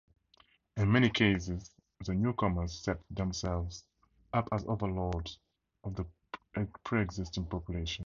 In many cases, the newcomers set themselves up as overlords of the pre-existing population.